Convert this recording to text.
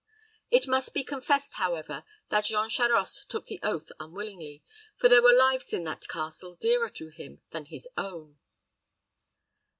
It must be confessed, however, that Jean Charost took the oath unwillingly, for there were lives in that castle dearer to him than his own.